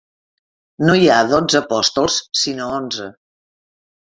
No hi ha dotze apòstols sinó onze.